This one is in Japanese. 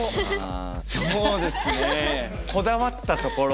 あそうですね。こだわったところ。